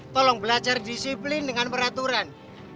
tolong belajar disiplin dengan peraturan